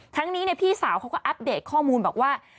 ทั้งนี้พี่สาวเขาก็อัปเดตข้อมูลบอกว่า